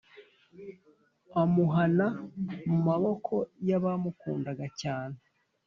Amuhana mu maboko y’abamukundaga cyane